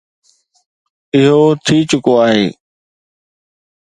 اهو ٿي چڪو آهي.